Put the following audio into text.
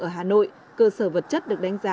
ở hà nội cơ sở vật chất được đánh giá